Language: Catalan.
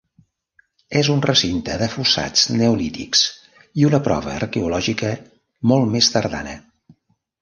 És un recinte de fossats neolítics i una prova arqueològica molt més tardana.